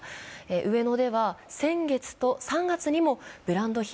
上野では先月と３月にもブランド品